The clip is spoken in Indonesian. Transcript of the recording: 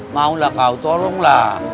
maulah kau tolonglah